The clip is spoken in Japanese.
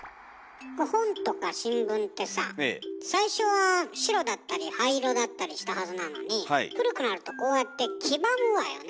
本とか新聞ってさ最初は白だったり灰色だったりしたはずなのに古くなるとこうやって黄ばむわよね。